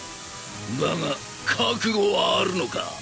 だが覚悟はあるのか？